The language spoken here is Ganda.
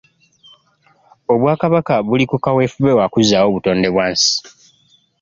Obwakabaka buli ku kaweefube wa kuzzaawo butonde bwa nsi.